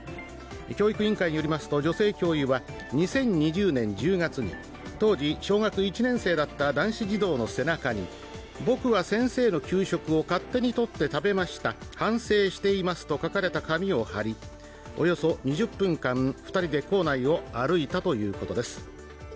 教育委員会によりますと女性教諭は２０２０年１０月に当時小学１年生だった男子児童の背中にぼくは先生の給食を勝手に取って食べました反省していますと書かれた紙を貼り、およそ２０分間２人で校内を歩いたということです